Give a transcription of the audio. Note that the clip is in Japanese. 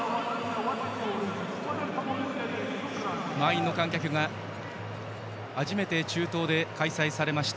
満員の観客が初めて中東で開催されました